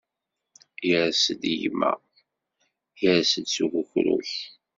Yers-d gma, yers-d s ukukru.